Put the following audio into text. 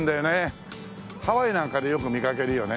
ハワイなんかでよく見かけるよね